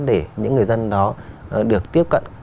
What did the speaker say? để những người dân đó được tiếp cận